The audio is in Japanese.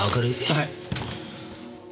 はい。